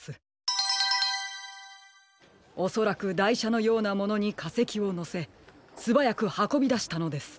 おそらくだいしゃのようなものにかせきをのせすばやくはこびだしたのです。